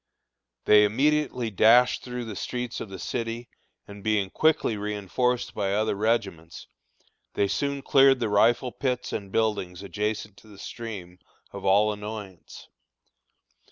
They immediately dashed through the streets of the city, and being quickly reënforced by other regiments, they soon cleared the rifle pits and buildings adjacent to the stream of all annoyance.